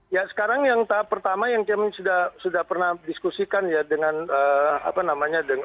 ya sekarang yang tahap pertama yang kami sudah pernah diskusikan ya dengan apa namanya